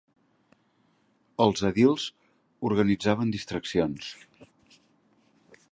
Els edils organitzaven distraccions.